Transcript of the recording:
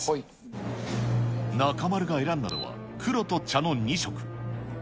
中丸が選んだのは、黒と茶の２色。